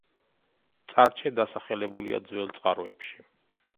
წარჩე დასახელებულია ძველ წყაროებში.